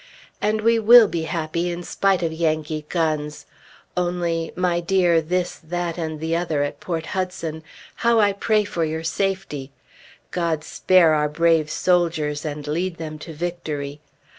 And we will be happy in spite of Yankee guns! Only my dear This, That, and the Other, at Port Hudson, how I pray for your safety! God spare our brave soldiers, and lead them to victory!